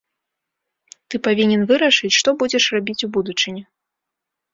Ты павінен вырашыць, што будзеш рабіць у будучыні.